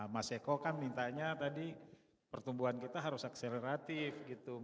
mas eko kan mintanya tadi pertumbuhan kita harus akseleratif gitu